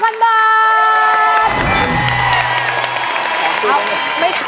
ครับแล้วนะครับ